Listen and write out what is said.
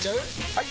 ・はい！